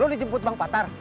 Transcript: lo dijemput bang patar